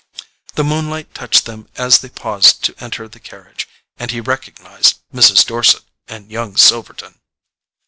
The moonlight touched them as they paused to enter the carriage, and he recognized Mrs. Dorset and young Silverton.